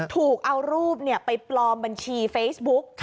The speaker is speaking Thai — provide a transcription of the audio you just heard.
ถูกเอารูปไปปลอมบัญชีเฟซบุ๊ก